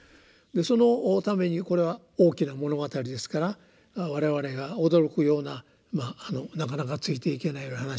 そのためにこれは大きな物語ですから我々が驚くようななかなかついていけないような話が展開するわけです。